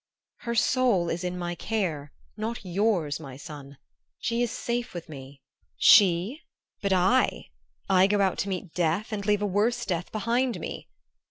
"Her soul is in my care, not yours, my son. She is safe with me." "She? But I? I go out to meet death, and leave a worse death behind me!"